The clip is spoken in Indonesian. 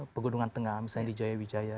pegunungan tengah misalnya di jaya wijaya